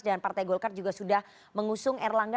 dan partai golkar juga sudah mengusung erlangga